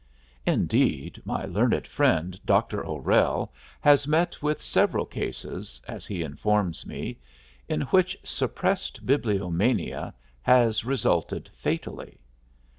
Indeed, my learned friend Dr. O'Rell has met with several cases (as he informs me) in which suppressed bibliomania has resulted fatally.